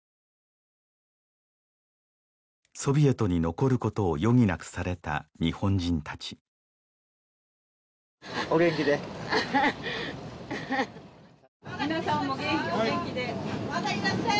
ソビエトに残ることを余儀なくされた日本人達お元気で・皆さんも元気でまたいらっしゃい！